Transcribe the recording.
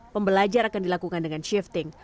pembelajar akan dilakukan dengan shifting